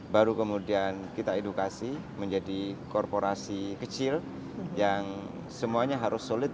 baru kemudian kita edukasi menjadi korporasi kecil yang semuanya harus solid